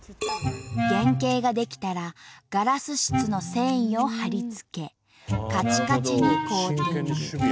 原型が出来たらガラス質の繊維を貼り付けカチカチにコーティング。